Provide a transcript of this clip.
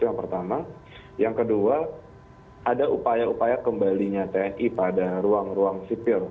menunjukkan rangkauan meski kita masing masing melalui praktik archives